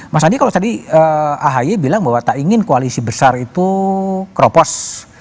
mas andi kalau tadi ahy bilang bahwa tak ingin koalisi besar itu keropos